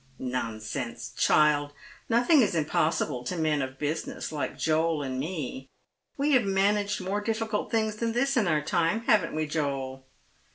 " Nonsense, child ! nothing is impossible to men of business, like Joel and me. We have managed more difficult things than this in our time, haven't we, Joel